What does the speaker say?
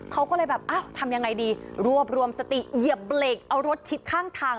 เขาก็เลยแบบอ้าวทำยังไงดีรวบรวมสติเหยียบเบรกเอารถชิดข้างทาง